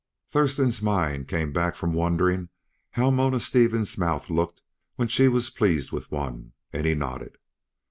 Thurston's mind came back from wondering how Mona Stevens' mouth looked when she was pleased with one, and he nodded.